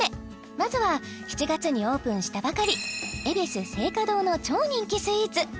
まずは７月にオープンしたばかりＥＢＩＳＵ青果堂の超人気スイーツ